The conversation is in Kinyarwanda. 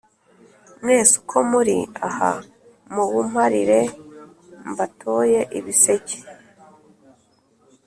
mwese uko muri aha muwumparire: mbatoye ibiseke!”